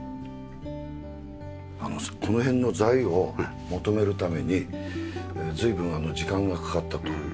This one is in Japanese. この辺の材を求めるために随分時間がかかったと。